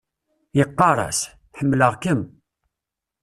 Yeqqar-as: Ḥemmleɣ-kem.